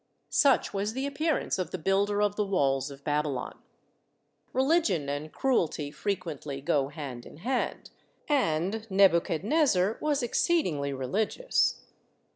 Such was the ap pearance of the builder of the walls of Babylon. Religion and cruelty frequently go hand in hand, and Nebuchadnezzar was exceedingly religious.